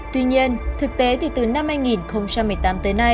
tuy nhiên thực tế thì từ năm hai nghìn một mươi hai